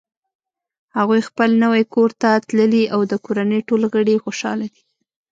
هغوی خپل نوی کور ته تللي او د کورنۍ ټول غړ یی خوشحاله دي